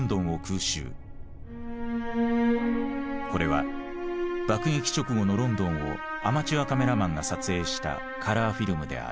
これは爆撃直後のロンドンをアマチュアカメラマンが撮影したカラーフィルムである。